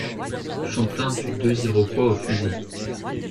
Champlain tue deux Iroquois au fusil.